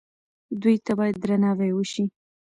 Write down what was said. دوی ته باید درناوی وشي.